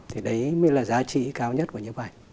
thì đấy mới là giá trị cao nhất của những bức ảnh